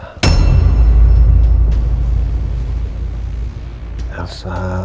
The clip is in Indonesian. aku rasa ada yang disembunyikan sama elsa